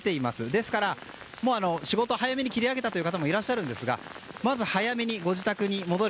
ですから、仕事を早めに切り上げた方もいらっしゃるんですがまず早めにご自宅に戻る。